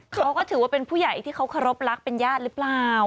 เขาก็ถือว่าเป็นผู้ใหญ่ที่เขาเคารพรักเป็นญาติหรือเปล่า